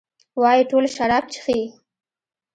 وايي ټول شراب چښي؟